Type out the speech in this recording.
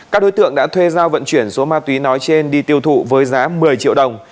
các đối tượng đã thuê giao vận chuyển số ma túy nói trên đi tiêu thụ với giá một mươi triệu đồng